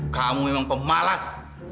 kamu memang pemalas